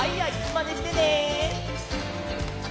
まねしてね！